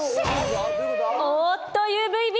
おっとＵＶーＢ